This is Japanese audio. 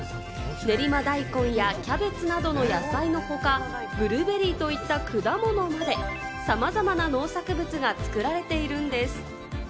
練馬大根やキャベツなどの野菜の他、ブルーベリーといった果物まで、さまざまな農作物が作られているんです。